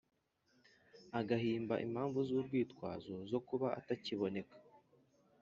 agahimba impamvu z urwitwazo zo kuba atakiboneka